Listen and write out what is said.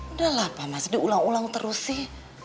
udah lah pa masih diulang ulang terus sih